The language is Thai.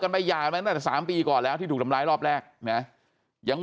กันไปอย่างนั้นแต่๓ปีก่อนแล้วที่ถูกทำร้ายรอบแรกเนี่ยอย่าง